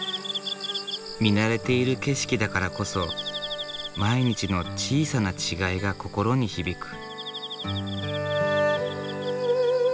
見慣れている景色だからこそ毎日の小さな違いが心に響く。